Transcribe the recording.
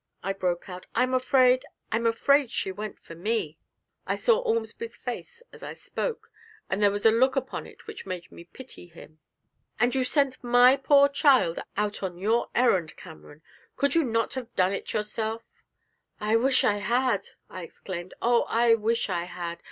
I broke out, 'I'm afraid I'm afraid she went for me!' I saw Ormsby's face as I spoke, and there was a look upon it which made me pity him. 'And you sent my poor child out on your errand, Cameron! Could you not have done it yourself?' 'I wish I had!' I exclaimed; 'oh, I wish I had!